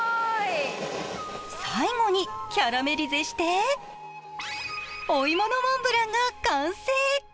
最後にキャラメリゼしてお芋のモンブランが完成。